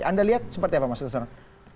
anda lihat seperti apa mas usman